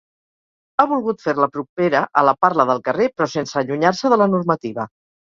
Ha volgut fer-la propera a la parla del carrer però sense allunyar-se de la normativa.